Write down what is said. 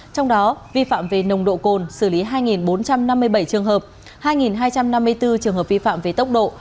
trong đó vi phạm về nồng độ cồn xử lý hai bốn trăm năm mươi bảy trường hợp hai hai trăm năm mươi bốn trường hợp vi phạm về tốc độ